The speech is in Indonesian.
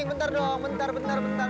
bentar dong bentar bentar bentar